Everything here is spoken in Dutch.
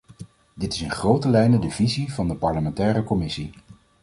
Dit is in grote lijnen de visie van de parlementaire commissie.